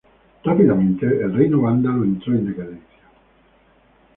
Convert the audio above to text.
Rápidamente el reino vándalo entró en decadencia.